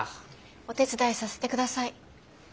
お手伝いさせて下さい。